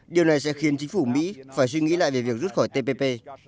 điều này sẽ khiến chính phủ mỹ phải suy nghĩ lại về việc rút khỏi tpp